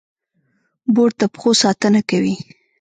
بوټ د پښو ساتنه کوي.